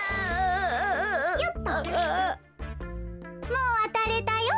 もうわたれたよ。